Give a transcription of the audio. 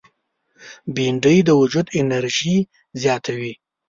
بېنډۍ د وجود انرژي زیاتوي